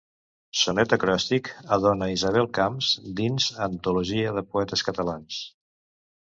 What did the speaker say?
Sonet acròstic a «Dona Isabel Camps» dins Antologia de poetes catalans.